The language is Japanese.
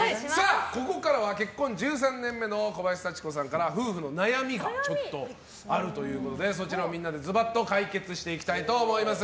ここからは結婚１３年目の小林幸子さんから夫婦の悩みがあるということでそちらをみんなでズバッと解決していきたいと思います。